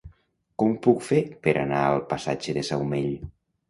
Com ho puc fer per anar al passatge de Saumell?